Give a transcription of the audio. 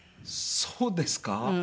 そうですか？